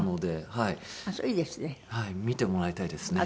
はい見てもらいたいですね。